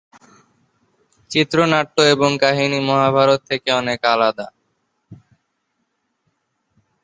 চিত্রনাট্য এবং কাহিনী মহাভারত থেকে অনেক আলাদা।